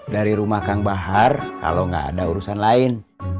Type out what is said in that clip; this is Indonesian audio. dari rumah kang bahar kalau nggak ada urusan lain